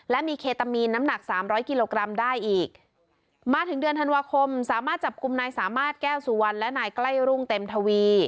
และมีเคตามีนน้ำหนักสามร้อยกิโลกรัมได้อีกมาถึงเดือนธันวาคมสามารถจับกลุ่มนายสามารถแก้วสุวรรณและนายใกล้รุ่งเต็มทวี